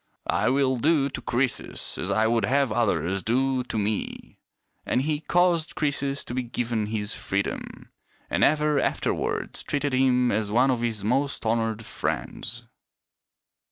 I will do to Croesus as I would have others do to me." And he caused Croesus to be given his freedom ; and ever afterwards treated him as one of his most honored friends.